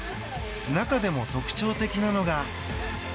中でも特徴的なのが。